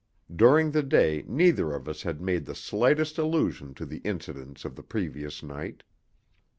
During the day neither of us had made the slightest allusion to the incidents of the previous night.